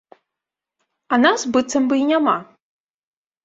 А нас быццам бы і няма.